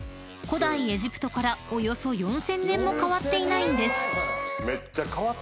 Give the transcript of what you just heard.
古代エジプトからおよそ４，０００年も変わっていないんです］